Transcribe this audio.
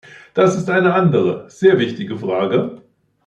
Das ist eine andere, sehr wichtige Frage.